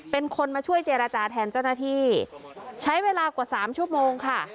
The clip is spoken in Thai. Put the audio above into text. เป็นคนมาช่วยเจรจาแทนเจ้าหน้าที่ใช้เวลากว่าสามชั่วโมงค่ะ